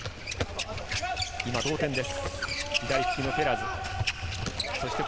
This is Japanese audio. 今、同点です。